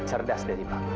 lebih cerdas dari bapak